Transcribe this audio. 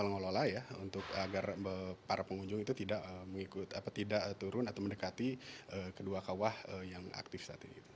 mengelola ya untuk agar para pengunjung itu tidak mengikut apa tidak turun atau mendekati kedua kawah yang aktif saat ini